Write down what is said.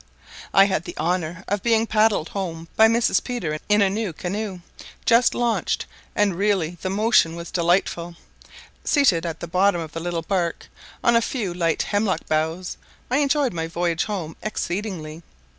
I had the honour of being paddled home by Mrs. Peter in a new canoe, just launched, and really the motion was delightful; seated at the bottom of the little bark, on a few light hemlock boughs, I enjoyed my voyage home exceedingly.